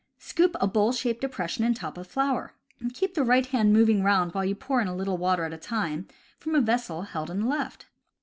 Scoop a bowl shaped depression in top of flour. Keep the right hand moving round while you pour in a little water at a time from a vessel held in the left.